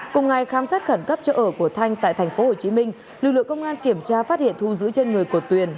cùng ngày khám xét khẩn cấp chỗ ở của thanh tại tp hcm lực lượng công an kiểm tra phát hiện thu giữ trên người của tuyền